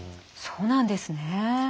そうなんですね。